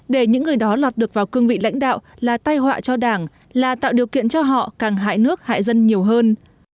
để những người đó lọt được vào cương vị lãnh đạo là tay họa cho đảng là tạo điều kiện cho họ càng hại nước hại dân nhiều hơn